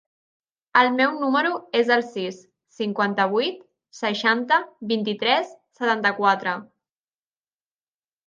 El meu número es el sis, cinquanta-vuit, seixanta, vint-i-tres, setanta-quatre.